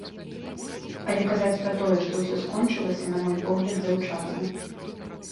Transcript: Але казаць пра тое, што ўсё скончылася, на мой погляд, заўчасна.